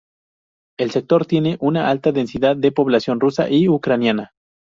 El sector tiene una alta densidad de población rusa y ucraniana.